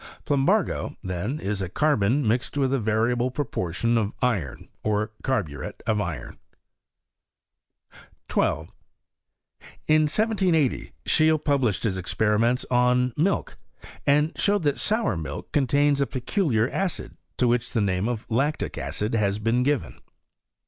Plumbago, then, is carbon mixed with a variable proportion of iron, or carburet of iron. 12. In 1780 Scheele published his experiments ^1 milk, and showed that sour milk contains a peculiar acid, to which the name of lactic acid has been given.